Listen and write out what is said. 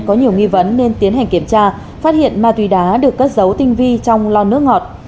có nhiều nghi vấn nên tiến hành kiểm tra phát hiện ma túy đá được cất dấu tinh vi trong lo nước ngọt